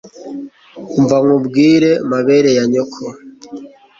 Umva nkubwire mabere ya nyoko